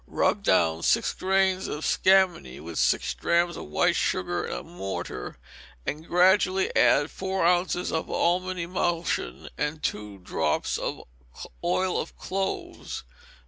Rub down six grains of scammony with six drachms of white sugar in a mortar, and gradually add four ounces of almond emulsion, and two drops of oil of cloves.